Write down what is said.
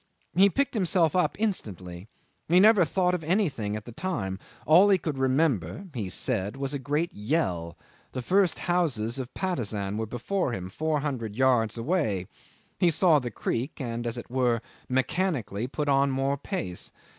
He picked himself up instantly. He never thought of anything at the time; all he could remember he said was a great yell; the first houses of Patusan were before him four hundred yards away; he saw the creek, and as it were mechanically put on more pace.